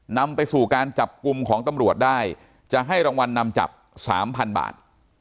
นำไปสู่การจับกลุ่มของตำรวจได้จะให้รางวัลนำจับสามพันบาท